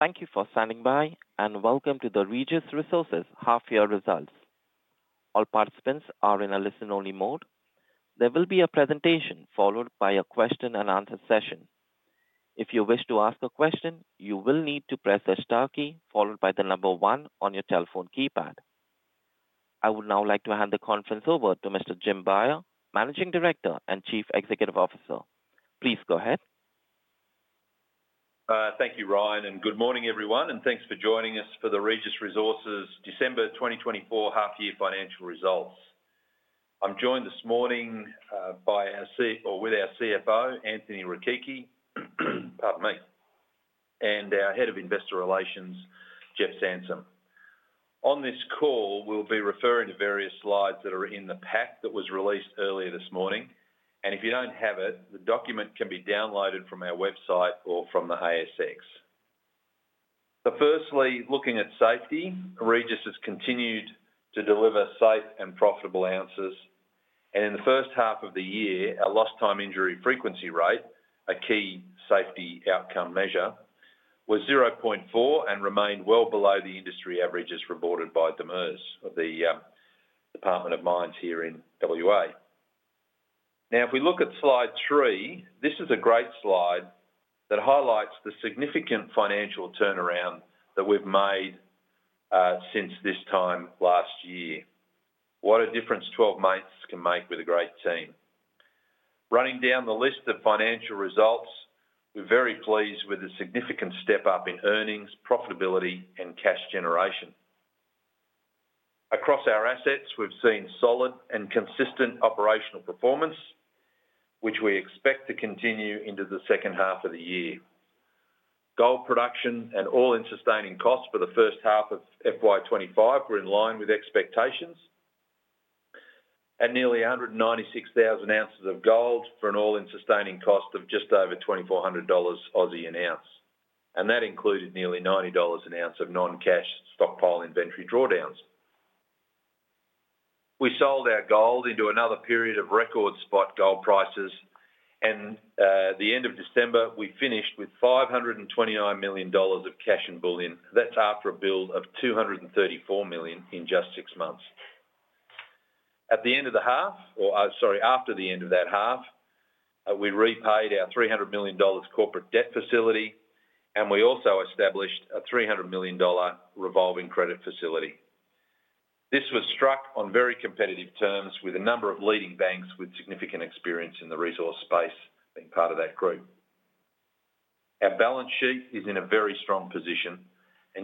Thank you for standing by, and welcome to the Regis Resources half-year results. All participants are in a listen-only mode. There will be a presentation followed by a question-and-answer session. If you wish to ask a question, you will need to press the star key followed by the number one on your telephone keypad. I would now like to hand the conference over to Mr. Jim Beyer, Managing Director and Chief Executive Officer. Please go ahead. Thank you, Ryan, and good morning, everyone, and thanks for joining us for the Regis Resources December 2024 half-year financial results. I'm joined this morning by our CEO or with our CFO, Anthony Rechichi, pardon me, and our Head of Investor Relations, Jeff Sansom. On this call, we'll be referring to various slides that are in the pack that was released earlier this morning, and if you don't have it, the document can be downloaded from our website or from the ASX, but firstly, looking at safety, Regis has continued to deliver safe and profitable operations. And in the first half of the year, our lost-time injury frequency rate, a key safety outcome measure, was 0.4 and remained well below the industry averages reported by DMIRS, the Department of Mines here in WA. Now, if we look at slide three, this is a great slide that highlights the significant financial turnaround that we've made since this time last year. What a difference 12 months can make with a great team. Running down the list of financial results, we're very pleased with the significant step-up in earnings, profitability, and cash generation. Across our assets, we've seen solid and consistent operational performance, which we expect to continue into the second half of the year. Gold production and all-in sustaining costs for the first half of FY25 were in line with expectations, and nearly 196,000 ounces of gold for an all-in sustaining cost of just over 2,400 Aussie dollars an ounce, and that included nearly AUD 90 an ounce of non-cash stockpile inventory drawdowns. We sold our gold into another period of record spot gold prices. At the end of December, we finished with 529 million dollars of cash and bullion. That's after a build of 234 million in just six months. At the end of the half, or sorry, after the end of that half, we repaid our 300 million dollars corporate debt facility, and we also established a 300 million dollar revolving credit facility. This was struck on very competitive terms with a number of leading banks with significant experience in the resource space being part of that group. Our balance sheet is in a very strong position.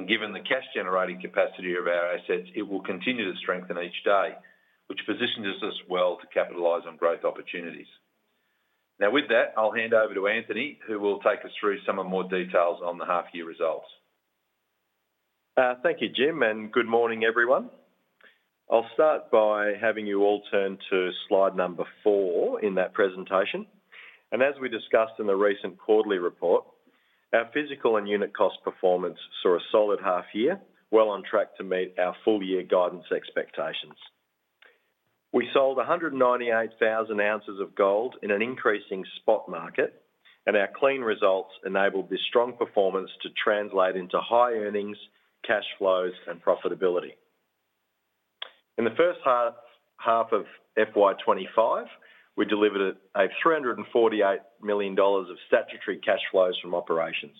Given the cash-generating capacity of our assets, it will continue to strengthen each day, which positions us well to capitalize on growth opportunities. Now, with that, I'll hand over to Anthony, who will take us through some more details on the half-year results. Thank you, Jim. Good morning, everyone. I'll start by having you all turn to slide number four in that presentation. As we discussed in the recent quarterly report, our physical and unit cost performance saw a solid half-year, well on track to meet our full-year guidance expectations. We sold 198,000 ounces of gold in an increasing spot market, and our clean results enabled this strong performance to translate into high earnings, cash flows, and profitability. In the first half of FY25, we delivered a 348 million dollars of statutory cash flows from operations.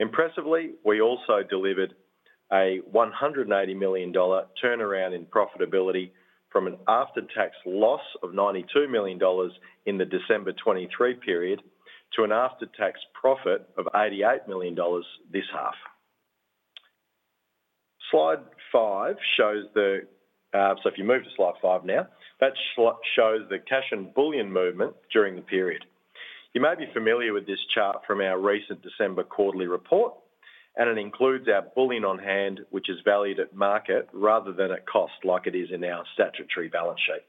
Impressively, we also delivered a 180 million dollar turnaround in profitability from an after-tax loss of 92 million dollars in the December 2023 period to an after-tax profit of 88 million dollars this half. Slide five shows. If you move to slide five now, that shows the cash and bullion movement during the period. You may be familiar with this chart from our recent December quarterly report, and it includes our bullion on hand, which is valued at market rather than at cost like it is in our statutory balance sheet.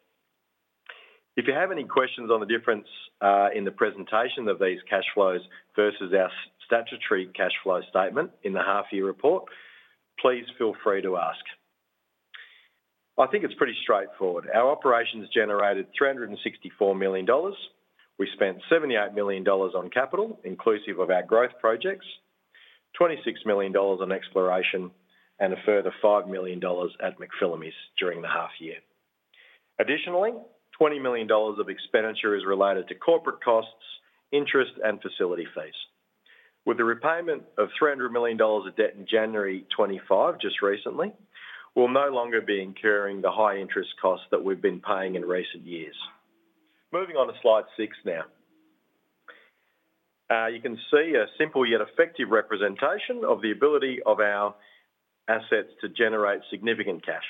If you have any questions on the difference in the presentation of these cash flows versus our statutory cash flow statement in the half-year report, please feel free to ask. I think it's pretty straightforward. Our operations generated 364 million dollars. We spent 78 million dollars on capital, inclusive of our growth projects, 26 million dollars on exploration, and a further 5 million dollars at McPhilamys during the half-year. Additionally, 20 million dollars of expenditure is related to corporate costs, interest, and facility fees. With the repayment of 300 million dollars of debt in January 2025, just recently, we'll no longer be incurring the high-interest costs that we've been paying in recent years. Moving on to slide six now. You can see a simple yet effective representation of the ability of our assets to generate significant cash.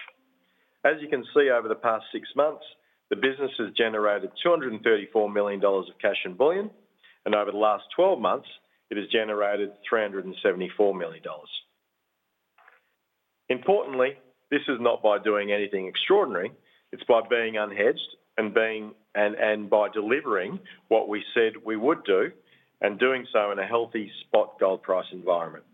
As you can see, over the past six months, the business has generated 234 million dollars of cash and bullion, and over the last 12 months, it has generated 374 million dollars. Importantly, this is not by doing anything extraordinary. It's by being unhedged and by delivering what we said we would do and doing so in a healthy spot gold price environment.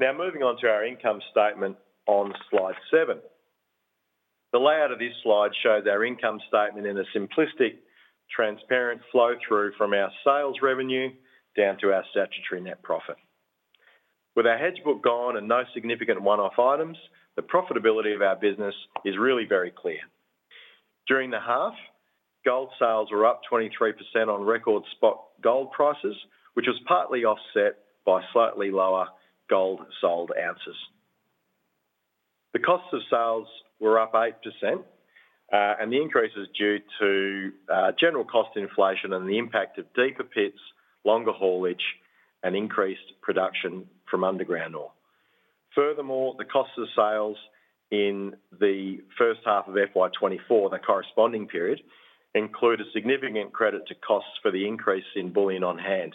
Now, moving on to our income statement on slide seven. The layout of this slide shows our income statement in a simplistic, transparent flow-through from our sales revenue down to our statutory net profit. With our hedge book gone and no significant one-off items, the profitability of our business is really very clear. During the half, gold sales were up 23% on record spot gold prices, which was partly offset by slightly lower gold sold ounces. The costs of sales were up 8%, and the increase is due to general cost inflation and the impact of deeper pits, longer haulage, and increased production from underground ore. Furthermore, the costs of sales in the first half of FY24, the corresponding period, include a significant credit to costs for the increase in bullion on hand,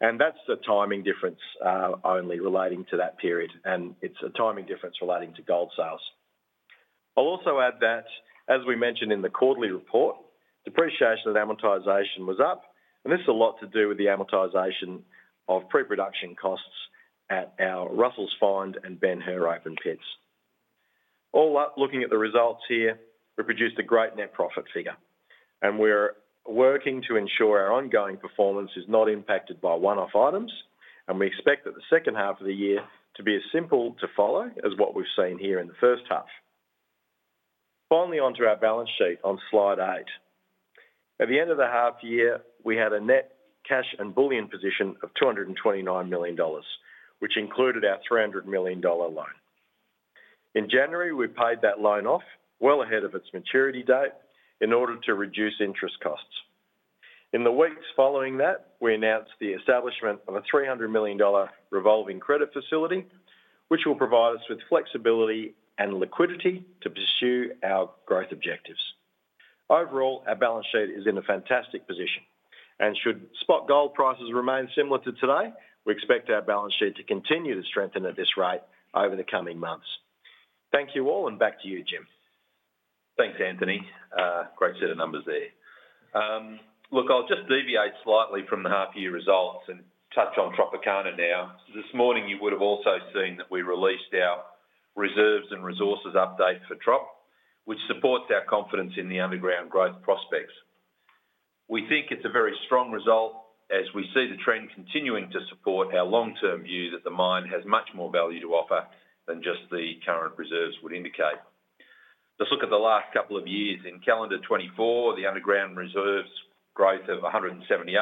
and that's the timing difference only relating to that period, and it's a timing difference relating to gold sales. I'll also add that, as we mentioned in the quarterly report, depreciation and amortization was up, and this has a lot to do with the amortization of pre-production costs at our Russell's Find and Ben Hur open pits. All up, looking at the results here, we produced a great net profit figure, and we're working to ensure our ongoing performance is not impacted by one-off items, and we expect that the second half of the year to be as simple to follow as what we've seen here in the first half. Finally, onto our balance sheet on slide eight. At the end of the half-year, we had a net cash and bullion position of 229 million dollars, which included our 300 million dollar loan. In January, we paid that loan off well ahead of its maturity date in order to reduce interest costs. In the weeks following that, we announced the establishment of a 300 million dollar revolving credit facility, which will provide us with flexibility and liquidity to pursue our growth objectives. Overall, our balance sheet is in a fantastic position. Should spot gold prices remain similar to today, we expect our balance sheet to continue to strengthen at this rate over the coming months. Thank you all, and back to you, Jim. Thanks, Anthony. Great set of numbers there. Look, I'll just deviate slightly from the half-year results and touch on Tropicana now. This morning, you would have also seen that we released our reserves and resources update for Trop, which supports our confidence in the underground growth prospects. We think it's a very strong result as we see the trend continuing to support our long-term view that the mine has much more value to offer than just the current reserves would indicate. Let's look at the last couple of years. In calendar 2024, the underground reserves growth of 178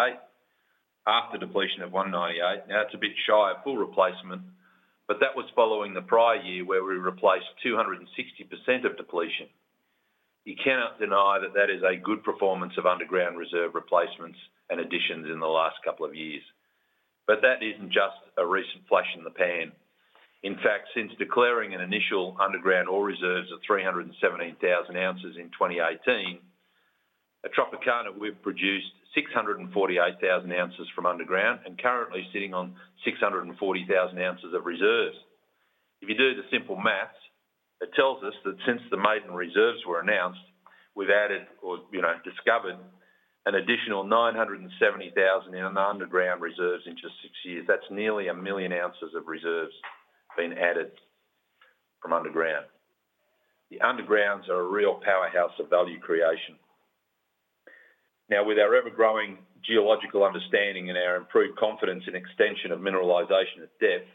after depletion of 198. Now, it's a bit shy of full replacement, but that was following the prior year where we replaced 260% of depletion. You cannot deny that that is a good performance of underground reserve replacements and additions in the last couple of years. But that isn't just a recent flash in the pan. In fact, since declaring an initial underground ore reserves of 317,000 ounces in 2018, at Tropicana, we've produced 648,000 ounces from underground and currently sitting on 640,000 ounces of reserves. If you do the simple math, it tells us that since the maiden reserves were announced, we've added or discovered an additional 970,000 in the underground reserves in just six years. That's nearly a million ounces of reserves being added from underground. The undergrounds are a real powerhouse of value creation. Now, with our ever-growing geological understanding and our improved confidence in extension of mineralization at depth,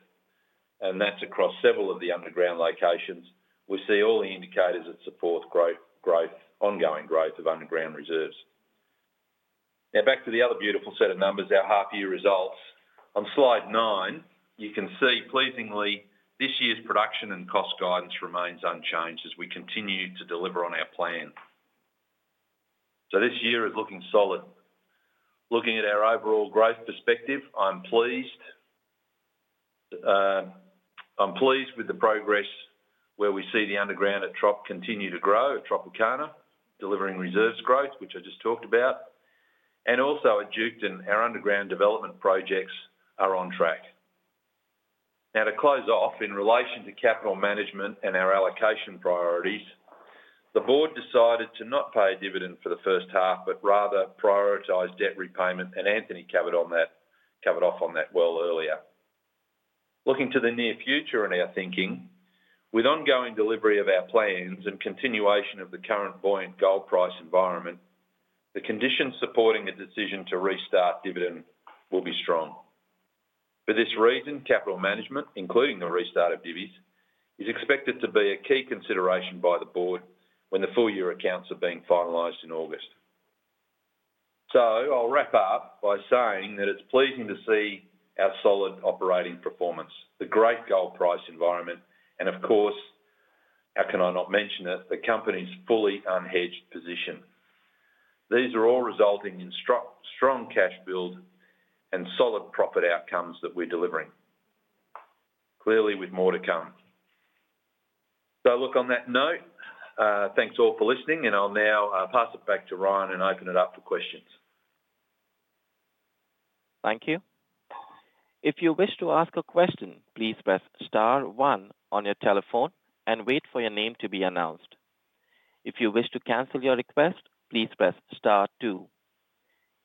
and that's across several of the underground locations, we see all the indicators that support growth, ongoing growth of underground reserves. Now, back to the other beautiful set of numbers, our half-year results. On slide nine, you can see pleasingly this year's production and cost guidance remains unchanged as we continue to deliver on our plan. So this year is looking solid. Looking at our overall growth perspective, I'm pleased. I'm pleased with the progress where we see the underground at Trop continue to grow at Tropicana, delivering reserves growth, which I just talked about. And also, at Duke, our underground development projects are on track. Now, to close off in relation to capital management and our allocation priorities, the board decided to not pay a dividend for the first half, but rather prioritize debt repayment, and Anthony covered on that, covered off on that well earlier. Looking to the near future in our thinking, with ongoing delivery of our plans and continuation of the current buoyant gold price environment, the conditions supporting a decision to restart dividend will be strong. For this reason, capital management, including the restart of divvies, is expected to be a key consideration by the board when the full-year accounts are being finalized in August. So I'll wrap up by saying that it's pleasing to see our solid operating performance, the great gold price environment, and of course, how can I not mention it, the company's fully unhedged position. These are all resulting in strong cash build and solid profit outcomes that we're delivering. Clearly, with more to come. So look, on that note, thanks all for listening, and I'll now pass it back to Ryan and open it up for questions. Thank you. If you wish to ask a question, please press star one on your telephone and wait for your name to be announced. If you wish to cancel your request, please press star two.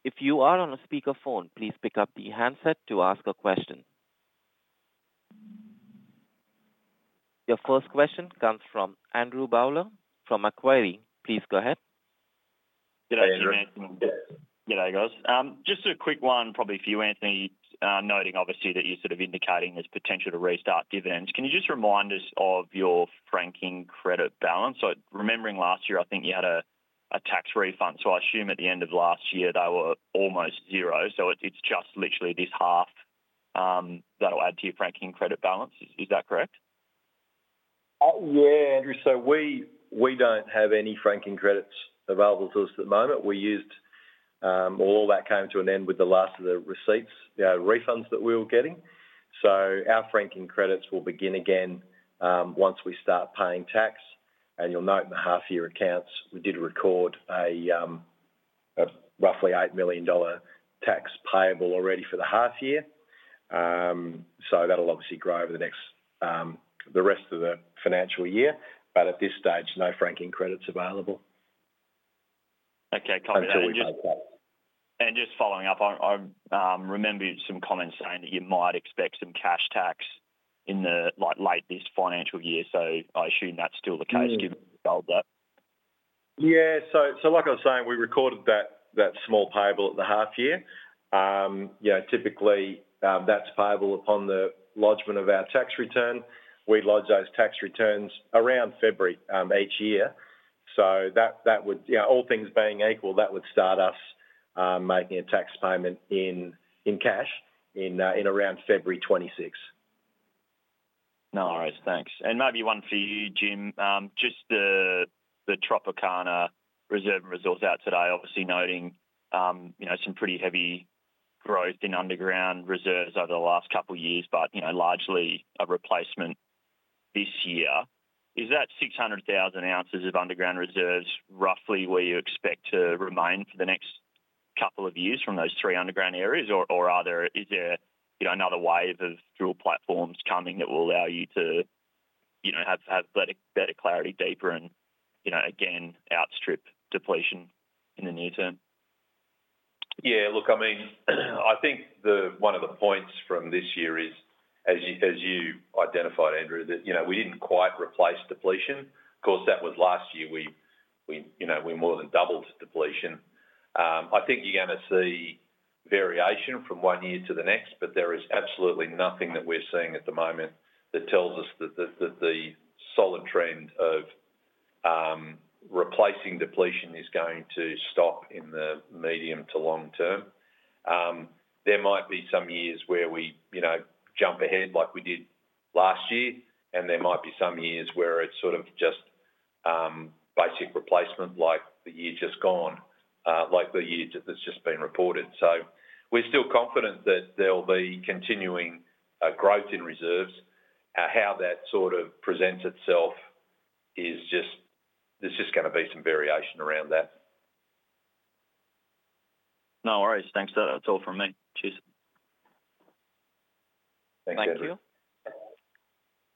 If you are on a speakerphone, please pick up the handset to ask a question. Your first question comes from Andrew Bowler from Macquarie. Please go ahead. Good afternoon, Anthony. Good day. Yes, there he goes. Just a quick one, probably for you, Anthony, noting obviously that you're sort of indicating this potential to restart dividends. Can you just remind us of your franking credit balance? So remembering last year, I think you had a tax refund. So I assume at the end of last year, they were almost zero. So it's just literally this half that'll add to your franking credit balance. Is that correct? Yeah, Andrew. So we don't have any franking credits available to us at the moment. We used. Well, all that came to an end with the last of the receipts, the refunds that we were getting. So our franking credits will begin again once we start paying tax. And you'll note in the half-year accounts, we did record a roughly 8 million dollar tax payable already for the half-year. So that'll obviously grow over the rest of the financial year. But at this stage, no franking credits available. Okay. Until we know. And just following up, I remembered some comments saying that you might expect some cash tax in the late this financial year. So I assume that's still the case given we've sold that. Yeah. So like I was saying, we recorded that small payable at the half-year. Typically, that's payable upon the lodgment of our tax return. We lodge those tax returns around February each year. So all things being equal, that would start us making a tax payment in cash in around February 2026. No worries. Thanks. And maybe one for you, Jim. Just the Tropicana reserve and resource out today, obviously noting some pretty heavy growth in underground reserves over the last couple of years, but largely a replacement this year. Is that 600,000 ounces of underground reserves roughly where you expect to remain for the next couple of years from those three underground areas, or is there another wave of drill platforms coming that will allow you to have better clarity deeper and again outstrip depletion in the near term? Yeah. Look, I mean, I think one of the points from this year is, as you identified, Andrew, that we didn't quite replace depletion. Of course, that was last year. We more than doubled depletion. I think you're going to see variation from one year to the next, but there is absolutely nothing that we're seeing at the moment that tells us that the solid trend of replacing depletion is going to stop in the medium to long term. There might be some years where we jump ahead like we did last year, and there might be some years where it's sort of just basic replacement like the year just gone, like the year that's just been reported. So we're still confident that there'll be continuing growth in reserves. How that sort of presents itself is just, there's just going to be some variation around that. No worries. Thanks. That's all from me. Cheers. Thank you. Thank you.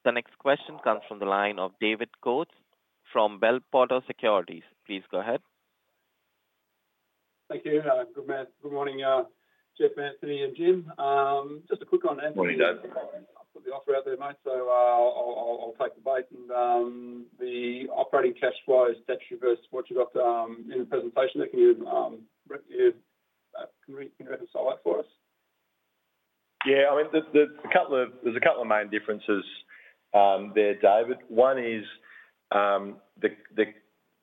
The next question comes from the line of David Coates from Bell Potter Securities. Please go ahead. Thank you. Good morning, Jeff, Anthony, and Jim. Just a quick one. Morning, Dave. I've got the offer out there, mate. So I'll take the bait, and the operating cash flow statutory versus what you got in the presentation, can you recap that for us? Yeah. I mean, there's a couple of main differences there, David. One is the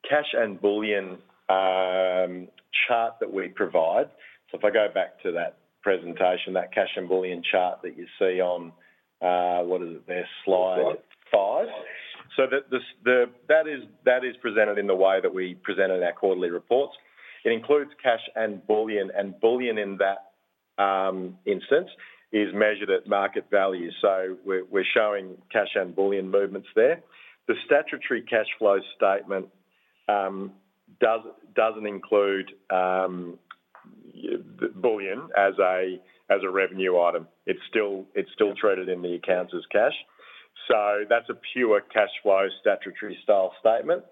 cash and bullion chart that we provide. So if I go back to that presentation, that cash and bullion chart that you see on—what is it there? Slide five. So that is presented in the way that we presented our quarterly reports. It includes cash and bullion, and bullion in that instance is measured at market value. So we're showing cash and bullion movements there. The statutory cash flow statement doesn't include bullion as a revenue item. It's still traded in the accounts as cash. So that's a pure cash flow statutory style statement.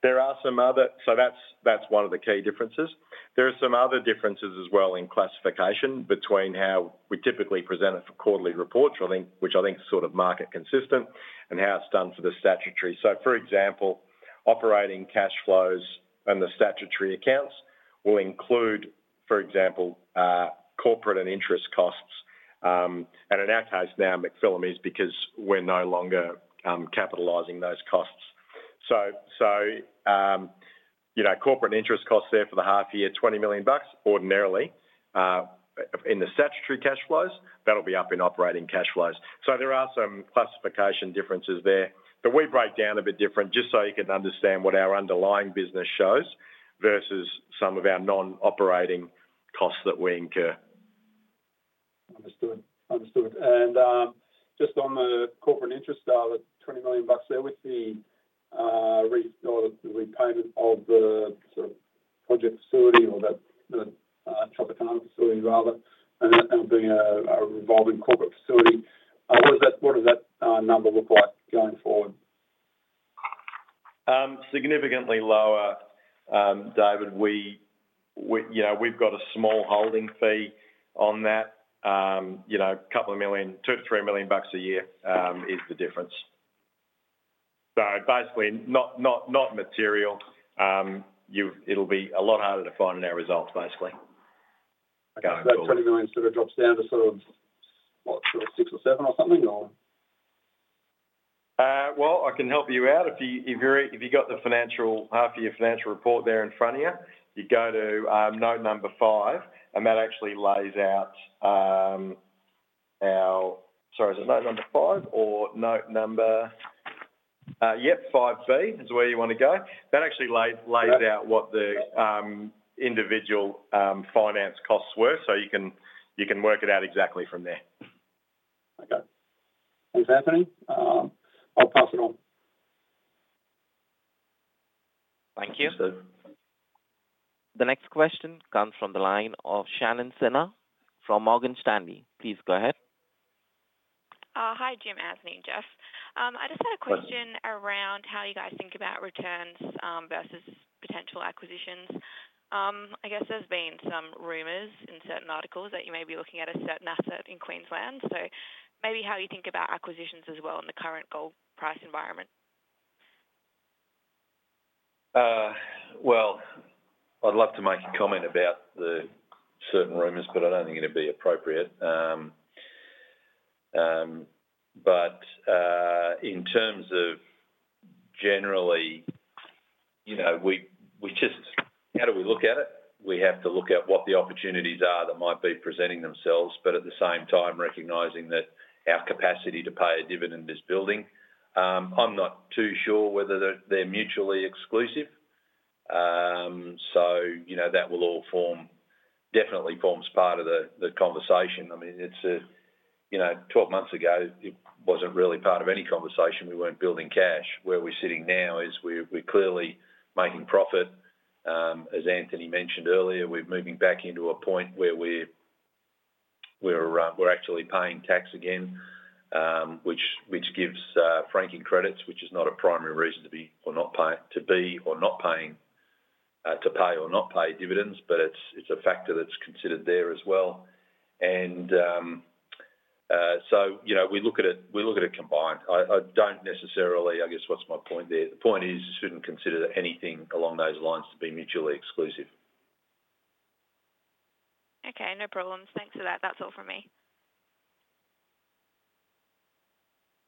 There are some other, so that's one of the key differences. There are some other differences as well in classification between how we typically present it for quarterly reports, which I think is sort of market consistent, and how it's done for the statutory. For example, operating cash flows in the statutory accounts will include, for example, corporate and interest costs. And in our case now, McPhilamys because we're no longer capitalizing those costs. Corporate and interest costs there for the half-year, 20 million bucks, ordinarily. In the statutory cash flows, that'll be up in operating cash flows. There are some classification differences there. We break down a bit different just so you can understand what our underlying business shows versus some of our non-operating costs that we incur. Understood. Understood. And just on the corporate interest side, the 20 million bucks there with the repayment of the sort of project facility or the Tropicana facility rather, and being a revolving corporate facility, what does that number look like going forward? Significantly lower, David. We've got a small holding fee on that. A couple of million, 2-3 million bucks a year is the difference. So basically, not material. It'll be a lot harder to find in our results, basically. Okay. So that 20 million sort of drops down to sort of, what, 6 million or 7 million or something, or? I can help you out. If you've got the half-year financial report there in front of you, you go to note number five, and that actually lays out our. Sorry, is it note number five or note number? Yep, five B is where you want to go. That actually lays out what the individual finance costs were. So you can work it out exactly from there. Okay. Thanks, Anthony. I'll pass it on. Thank you. Understood. The next question comes from the line of Shannon Senna from Morgan Stanley. Please go ahead. Hi, Jim, Anthony, and Jeff. I just had a question around how you guys think about returns versus potential acquisitions. I guess there's been some rumors in certain articles that you may be looking at a certain asset in Queensland. So maybe how you think about acquisitions as well in the current gold price environment. I'd love to make a comment about the certain rumors, but I don't think it'd be appropriate. In terms of generally, how do we look at it? We have to look at what the opportunities are that might be presenting themselves, but at the same time, recognizing that our capacity to pay a dividend is building. I'm not too sure whether they're mutually exclusive. That will definitely form part of the conversation. I mean, 12 months ago, it wasn't really part of any conversation. We weren't building cash. Where we're sitting now is we're clearly making profit. As Anthony mentioned earlier, we're moving back into a point where we're actually paying tax again, which gives franking credits, which is not a primary reason to be or not paying to pay or not pay dividends, but it's a factor that's considered there as well. And so we look at it combined. I don't necessarily, I guess what's my point there? The point is you shouldn't consider anything along those lines to be mutually exclusive. Okay. No problems. Thanks for that. That's all from me.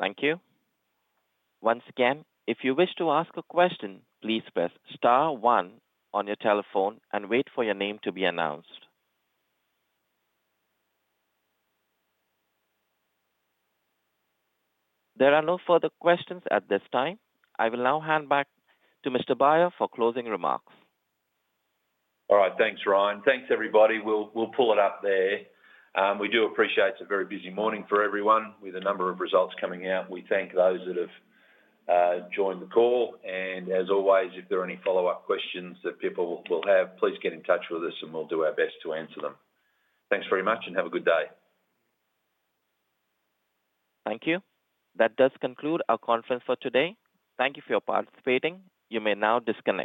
Thank you. Once again, if you wish to ask a question, please press star one on your telephone and wait for your name to be announced. There are no further questions at this time. I will now hand back to Mr. Beyer for closing remarks. All right. Thanks, Ryan. Thanks, everybody. We'll pull it up there. We do appreciate it's a very busy morning for everyone with a number of results coming out. We thank those that have joined the call, and as always, if there are any follow-up questions that people will have, please get in touch with us, and we'll do our best to answer them. Thanks very much, and have a good day. Thank you. That does conclude our conference for today. Thank you for your participating. You may now disconnect.